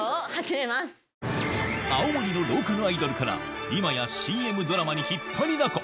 青森のローカルアイドルから今やＣＭドラマに引っ張りだこ